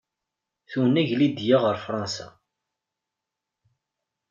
Tunag Lidya ɣer Fransa.